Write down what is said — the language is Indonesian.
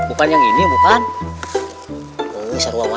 berapa ramai ignorant menurutmu